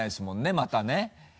またね。